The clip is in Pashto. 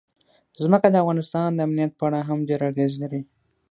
ځمکه د افغانستان د امنیت په اړه هم ډېر اغېز لري.